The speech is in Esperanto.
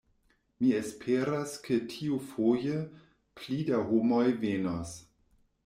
Mi esperas ke tiufoje, pli da homoj venos.